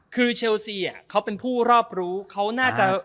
คือเชลซีเขาเป็นผู้รอบรู้เขาน่าจะ